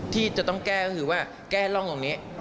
ที่จะต้องแก้ก็คือว่าแก้ร่องตรงนี้